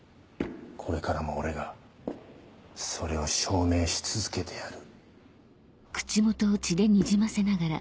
これからも俺がそれを証明し続けてやる。